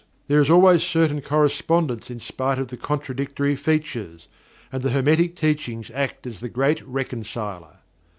There is always certain correspondence in spite of the contradictory features, and the Hermetic Teachings act as the Great Reconciler.